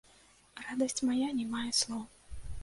Радасць мая не мае слоў.